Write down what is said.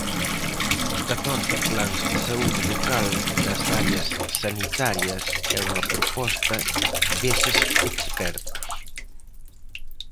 Os catorce plans de saúde local nas áreas sanitarias é unha proposta deses expertos.